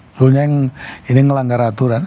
sebenarnya ini melanggar aturan